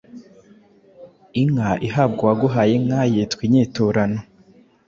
Inka ihabwa uwaguhaye inka yitwa Inyiturano